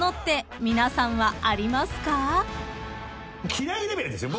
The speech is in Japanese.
嫌いレベルですよ。